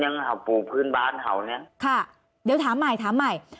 อ๋อลงพ่อค่ะเดี๋ยวถามใหม่ถามใหม่